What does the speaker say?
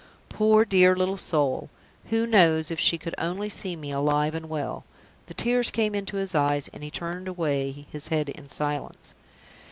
Poor dear little soul! who knows, if she could only see me alive and well " The tears came into his eyes, and he turned away his head in silence.